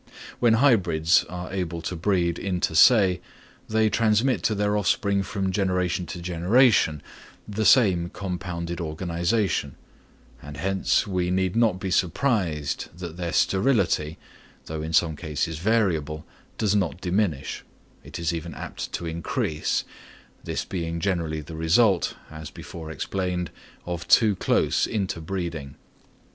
When hybrids are able to breed inter se, they transmit to their offspring from generation to generation the same compounded organisation, and hence we need not be surprised that their sterility, though in some degree variable, does not diminish; it is even apt to increase, this being generally the result, as before explained, of too close interbreeding.